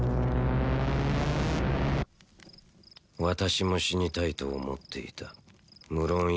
私も死にたいと思っていた無論